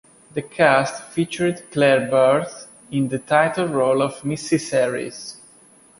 The cast featured Clare Burt in the title role of Mrs Harris.